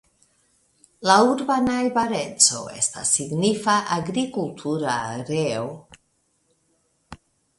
La urba najbareco estas signifa agrikultura areo.